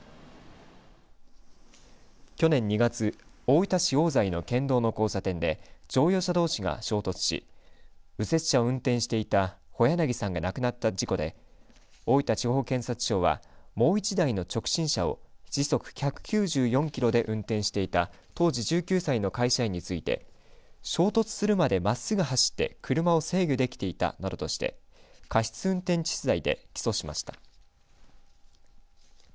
去年２月大分市大在の県道の交差点で乗用車どうしが衝突し右折車を運転していた小柳さんが亡くなった事故で大分地方検察庁はもう１台の直進車を時速１９４キロで運転していた当時１９歳の会社員について衝突するまでまっすぐ走って車を制御できていたなどとして過失運転致死罪で起訴しました。